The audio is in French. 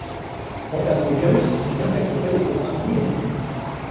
Contrairement aux virus, il n'infecte pas les programmes ni les documents.